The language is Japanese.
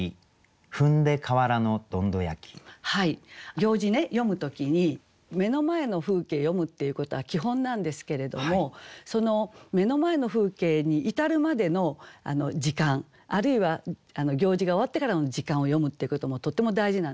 行事ね詠む時に目の前の風景詠むっていうことは基本なんですけれどもその目の前の風景に至るまでの時間あるいは行事が終わってからの時間を詠むっていうこともとても大事なんですね。